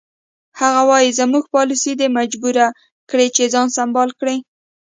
هغه وایي زموږ پالیسي دی مجبور کړی چې ځان سمبال کړي.